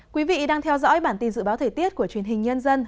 quý vị đang theo dõi bản tin dự báo thời tiết của truyền hình nhân dân